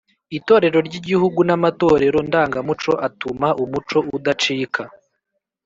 itorero ry’igihugu n’amatorero ndangamuco atuma umuco udacika.